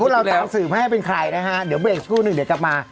พี่บุ๊คแล้วต่างสื่อให้เป็นใครนะคะเดี๋ยวบริเวณอีกช่วงหนึ่งเดี๋ยวกลับมา